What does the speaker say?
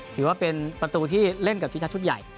ถือว่าเป็นประตูที่เล่นกับทีมชาติชุดใหญ่